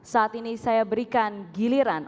saat ini saya berikan giliran